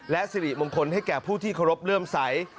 และสิริมงคลให้แก่ผู้ที่เคารพเลื่อมใส